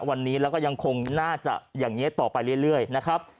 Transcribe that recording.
วันนี้แล้วก็ยังคงน่าจะอย่างนี้ต่อไปเรื่อยนะครับ